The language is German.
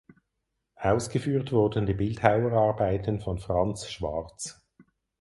Ausgeführt wurden die Bildhauerarbeiten von Franz Schwarz.